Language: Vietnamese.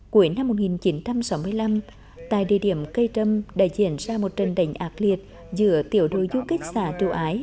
cuối năm một nghìn chín trăm sáu mươi năm tại địa điểm cây trâm đã diễn ra một trận đánh ác liệt giữa tiểu đội du kích xã châu ái